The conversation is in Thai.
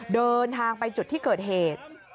เดินทางไปจุดที่เกิดเหตุ